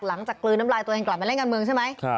กลืนน้ำลายตัวเองกลับมาเล่นการเมืองใช่ไหม